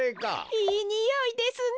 いいにおいですね。